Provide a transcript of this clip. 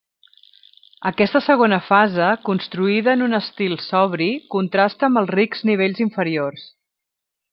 Aquesta segona fase, construïda en un estil sobri, contrasta amb els rics nivells inferiors.